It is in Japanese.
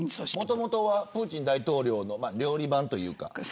もともとプーチン大統領の料理番というか。